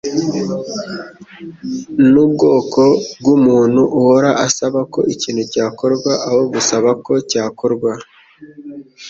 nubwoko bwumuntu uhora asaba ko ikintu cyakorwa aho gusaba ko cyakorwa.